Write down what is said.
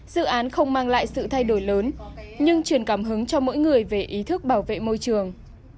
dự án không mang lại sự thay đổi lớn nhưng truyền cảm hứng cho mỗi người về ý thức bảo vệ môi trường